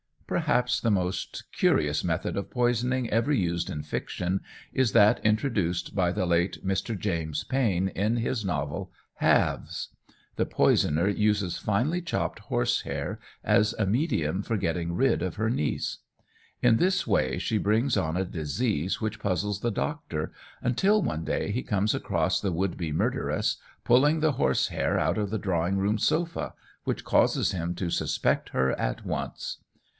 Perhaps the most curious method of poisoning ever used in fiction is that introduced by the late Mr. James Payn in his novel, "Halves." The poisoner uses finely chopped horse hair as a medium for getting rid of her niece. In this way she brings on a disease which puzzles the doctor, until one day he comes across the would be murderess pulling the horse hair out of the drawing room sofa, which causes him to suspect her at once.